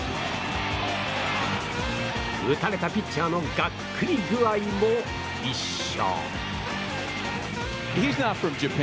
打たれたピッチャーのがっくり具合も一緒。